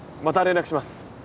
また連絡します。